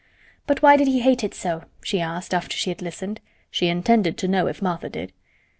"But why did he hate it so?" she asked, after she had listened. She intended to know if Martha did.